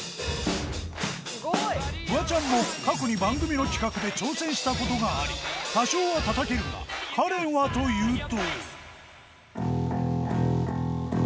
フワちゃんも過去の番組に企画で挑戦したことがあり、多少はたたけるが、カレンはというと。